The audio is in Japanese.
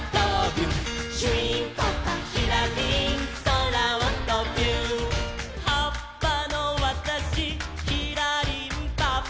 「しゅいーんぱっぱひらりんそらをとびゅーん」「はっぱのわたしひらりんぱ」